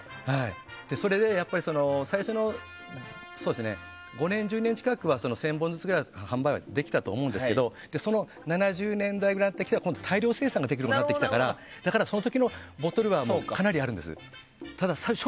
それで最初の５年、１０年近くは１０００本ぐらいずつ販売はできたと思うんですが７０年代くらいで大量生産できるようになったからだから、その時のボトルはかなりあるんです。